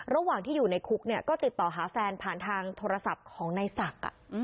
ระหว่างที่อยู่ในคุกเนี่ยก็ติดต่อหาแฟนผ่านทางโทรศัพท์ของนายศักดิ์